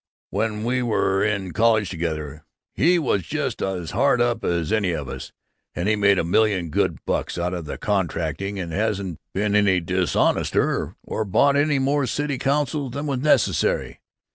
When we were in college together, he was just as hard up as any of us, and he's made a million good bucks out of contracting and hasn't been any dishonester or bought any more city councils than was necessary.